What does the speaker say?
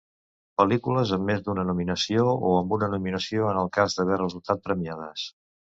Pel·lícules amb més d'una nominació, o amb una nominació en el cas d'haver resultat premiades.